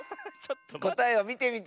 こたえをみてみて。